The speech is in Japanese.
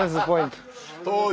当時。